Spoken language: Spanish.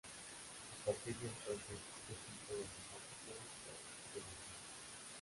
A partir de entonces este tipo de neumáticos se popularizó.